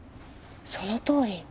そのとおり。